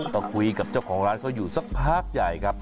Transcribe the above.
ก็คุยกับเจ้าของร้านเขาอยู่สักพักใหญ่ครับ